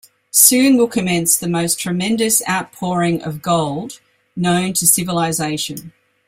Soon will commence the most tremendous outpouring of gold known to civilization.